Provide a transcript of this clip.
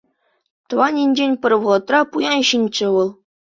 Тӑван енчен пӗр вӑхӑтра пуян ҫынччӗ вӑл.